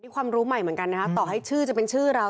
ความรู้ใหม่เหมือนกันนะฮะต่อให้ชื่อจะเป็นชื่อเรา